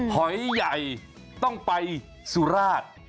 หอยใหญ่ต้องไปสุราช